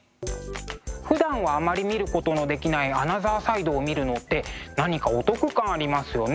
ふだんはあまり見ることのできないアナザーサイドを見るのって何かお得感ありますよね。